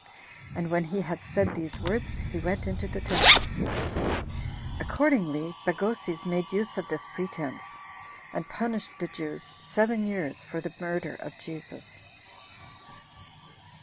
And when he had said these words, he went into the temple. Accordingly, Bagoses made use of this pretense, and punished the Jews seven years for the murder of Jesus.